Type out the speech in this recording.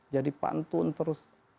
jadi pantun terus